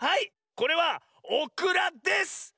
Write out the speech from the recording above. これはオクラです！